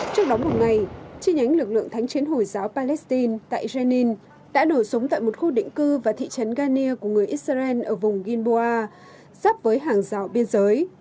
trước đó một ngày chi nhánh lực lượng thánh chiến hồi giáo palestine tại jenin đã nổ súng tại một khu định cư và thị trấn ghanir của người israel ở vùng gilbua giáp với hàng rào biên giới